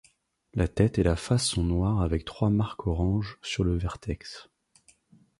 La tête et la face sont noires avec trois marques orange sur le vertex.